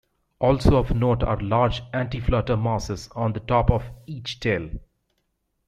Also of note are large anti-flutter masses on the top of each tail.